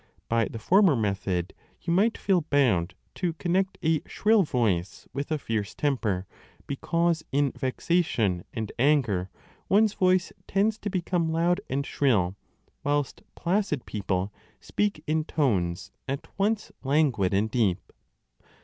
By the former method you might feel bound 5 to connect a shrill voice with a fierce temper, because in vexation and anger 15 one s voice tends to become loud and shrill, whilst placid people speak in tones at once languid and deep.